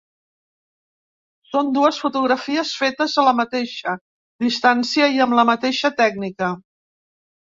Són dues fotografies fetes a la mateixa distància i amb la mateixa tècnica.